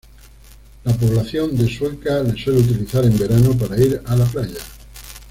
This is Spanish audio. La población de sueca la suele utilizar en verano para ir a la playa.